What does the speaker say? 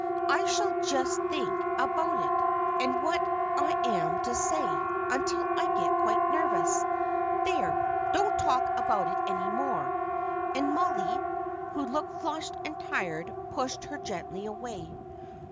I shall just think about it, and what I am to say, until I get quite nervous. There, don't talk about it any more;" and Mollie, who looked flushed and tired, pushed her gently away.